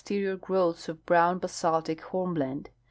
73 terior growths of brown Lasaltic liornl )lende.